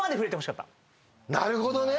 なるほどね。